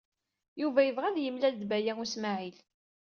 Yuba yebɣa ad yemlal d Baya U Smaɛil.